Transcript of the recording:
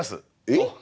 えっ！？